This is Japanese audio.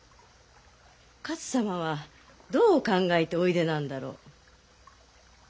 勝様はどう考えておいでなんだろう。